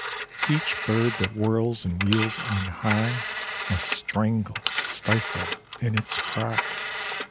Each bird that whirls and wheels on high Must strangle, stifle in, its cry.